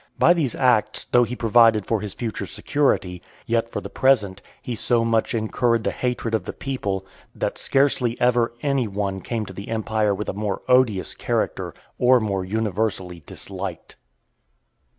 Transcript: By these acts, though he provided for his future security, yet for the present he so much incurred the hatred of the people, that scarcely ever any one came to the empire with a more odious character, or more universally disliked.